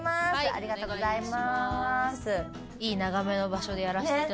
ありがとうございます。